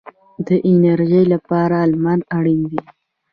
د انرژۍ لپاره لمر اړین دی